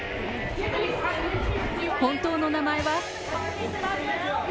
本当の名前は？